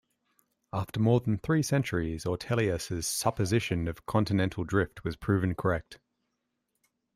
After more than three centuries, Ortelius's supposition of continental drift was proven correct.